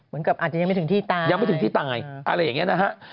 อาจจะยังไม่ถึงที่ตายยังไม่ถึงที่ตายอะไรอย่างนี้นะฮะ